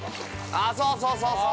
◆あーそうそうそうそう。